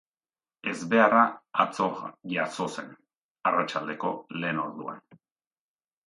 Ezbeharra atzo jazo zen, arratsaldeko lehen orduan.